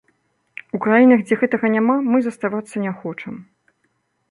У краінах, дзе гэтага няма, мы заставацца не хочам.